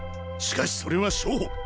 しかしそれは初歩。